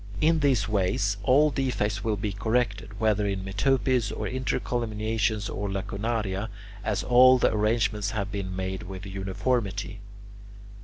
In these ways all defects will be corrected, whether in metopes or intercolumniations or lacunaria, as all the arrangements have been made with uniformity.